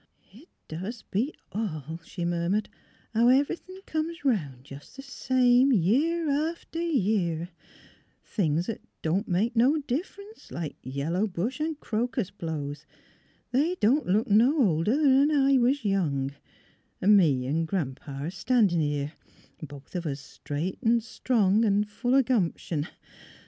" It doos beat all," she murmured, '' how every thin' comes 'round, jes' th' same, year after year. Things 'at don't make no differ 'nee, like yellow bush an' crocus blows. They don't look no older 'an when I was young — an' me 'n' Gran 'pa a standin' here, both of us straight an' strong an' full o' gumption.